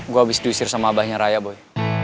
gue habis diusir sama abahnya raya boy